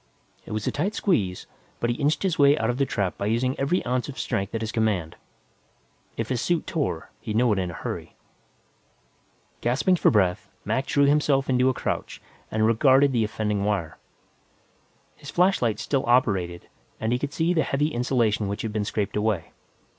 It was a tight squeeze, but he inched his way out of the trap by using every ounce of strength at his command. If his suit tore, he'd know it in a hurry. Gasping for breath, Mac drew himself into a crouch and regarded the offending wire. His flashlight still operated, and he could see the heavy insulation which had been scraped away.